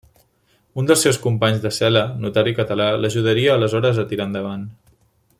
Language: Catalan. Un dels seus companys de cel·la, notari català, l'ajudaria aleshores a tirar endavant.